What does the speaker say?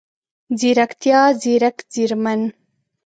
ځيرکتيا، ځیرک، ځیرمن،